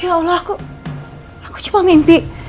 ya allah aku aku cuma mimpi